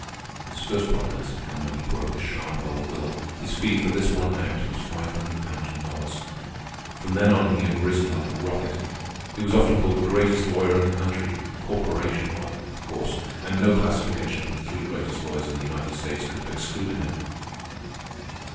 His first prominence had come when he broke the Shardwell will. His fee for this one act was five hundred thousand dollars. From then on he had risen like a rocket. He was often called the greatest lawyer in the country—corporation lawyer, of course; and no classification of the three greatest lawyers in the United States could have excluded him.